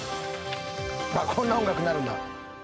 こんな音楽鳴るんだ。